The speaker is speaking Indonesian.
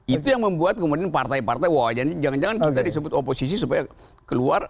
itu yang membuat kemudian partai partai wah jangan jangan kita disebut oposisi supaya keluar